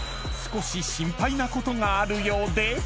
［少し心配なことがあるようで］